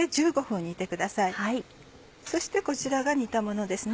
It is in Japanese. そしてこちらが煮たものです。